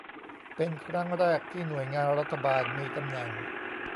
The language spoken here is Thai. เป็นครั้งแรกที่หน่วยงานรัฐบาลมีตำแหน่ง